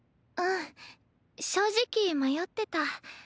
うん正直迷ってた。